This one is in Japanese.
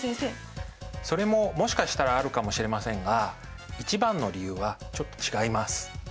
それももしかしたらあるかもしれませんが一番の理由はちょっと違います。